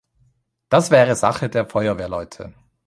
Das wäre Sache der Feuerwehrleute!